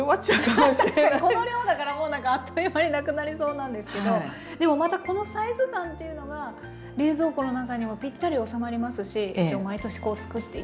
確かにこの量だからあっという間になくなりそうなんですけどでもまたこのサイズ感っていうのが冷蔵庫の中にもぴったり収まりますし一応毎年作っていけるなっていう気持ちがしました。